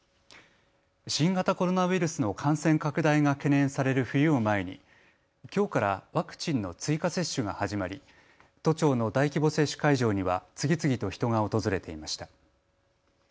新型コロナウイルスの感染拡大が懸念される冬を前にきょうからワクチンの追加接種が始まり都庁の大規模接種会場には次々と人が訪れていました。